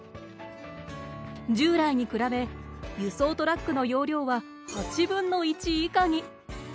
従来に比べ輸送トラックの容量は８分の１以下に。